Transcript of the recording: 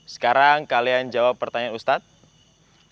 sekarang kalian jawab pertanyaan ustadz